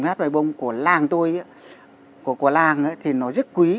hát loài bông của làng tôi của làng thì nó rất quý